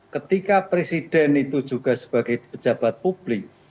ketika presiden itu juga sebagai pejabat publik